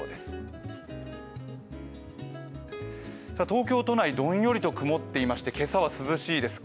東京都内、どんよりと曇っていまして、今朝は涼しいです。